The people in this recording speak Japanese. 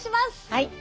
はい。